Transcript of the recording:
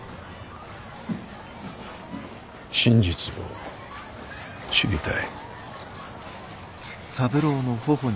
真実を知りたい。